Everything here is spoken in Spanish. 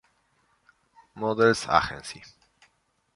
Models Agency".